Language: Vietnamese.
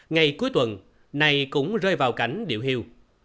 ngày cuối tuần này cũng rơi vào cảnh điệu hiêu